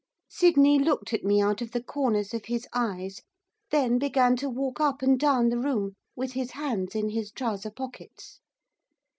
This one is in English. Sydney looked at me out of the corners of his eyes; then began to walk up and down the room, with his hands in his trouser pockets.